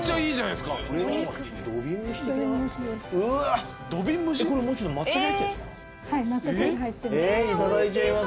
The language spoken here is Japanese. いただいちゃいます。